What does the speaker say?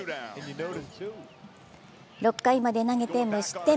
６回まで投げて無失点。